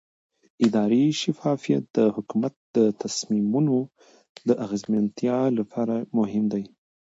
اداري شفافیت د حکومت د تصمیمونو د اغیزمنتیا لپاره مهم دی